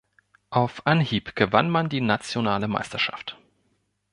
Auf Anhieb gewann man die nationale Meisterschaft.